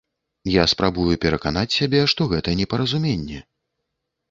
Я спрабую пераканаць сябе, што гэта непаразуменне.